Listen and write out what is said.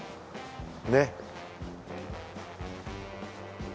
ねっ。